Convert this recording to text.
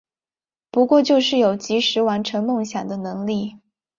不过就是有及时完成梦想的能力